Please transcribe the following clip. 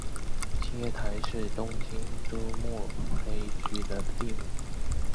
青叶台是东京都目黑区的地名。